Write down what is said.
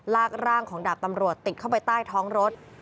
ลากร่างของดาบตำรวจติดเข้าไปใต้ท้องรถ